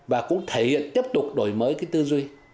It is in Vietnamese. và cũng thể hiện tiếp tục đổi mới cái tư duy